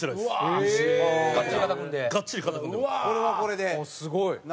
すごい！